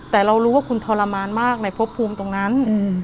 แต่เรารู้ว่าคุณทรมานมากในพบภูมิตรงนั้น